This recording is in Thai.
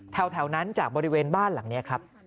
แถวนั้นจากบริเวณบ้านหลังนี้ครับ